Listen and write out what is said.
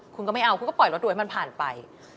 คุณก็ไม่เอาคุณก็ปล่อยรถโดยให้มันผ่านไป